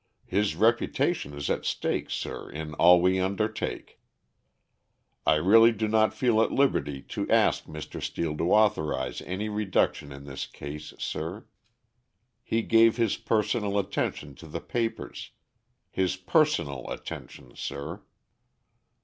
His reputation is at stake, sir, in all we undertake. I really do not feel at liberty to ask Mr. Steel to authorize any reduction in this case, sir. He gave his personal attention to the papers his personal attention, sir."